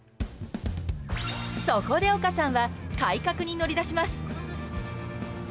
そこで、おかさんは改革に乗り出します。